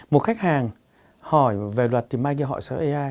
một khách hàng hỏi về luật thì mai kia hỏi sở ai